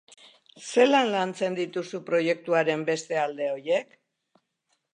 Zelan lantzen dituzu proiektuaren beste alde horiek?